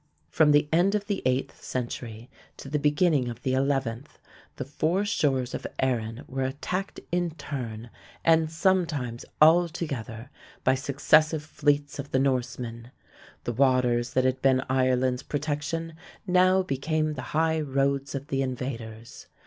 From the end of the eighth century to the beginning of the eleventh the four shores of Erin were attacked in turn, and sometimes all together, by successive fleets of the Norsemen. The waters that had been Ireland's protection now became the high roads of the invaders.